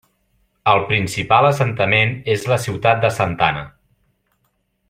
El principal assentament és la ciutat de Santana.